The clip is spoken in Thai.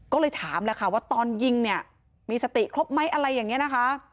ก็เลยถามแหละค่ะว่าตอนยิงเนี่ยมีสติครบไหมอะไรอย่างนี้นะคะ